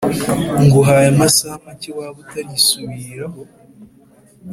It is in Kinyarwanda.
nguhaye amasaha make waba utarisubiraho